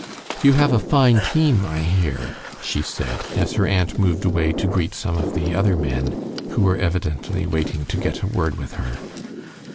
"You have a fine team, I hear," she said, as her aunt moved away to greet some of the other men, who were evidently waiting to get a word with her.